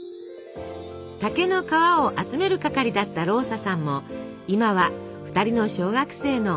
竹の皮を集める係だったローサさんも今は２人の小学生のお母さん。